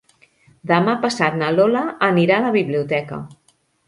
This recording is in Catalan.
Demà passat na Lola anirà a la biblioteca.